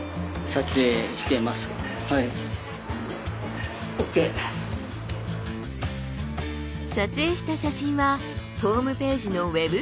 撮影した写真はホームページのウェブストアにアップ。